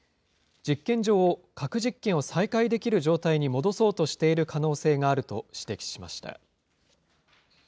実験場を核実験を再開できる状態に戻そうとしている可能性があると指摘しました。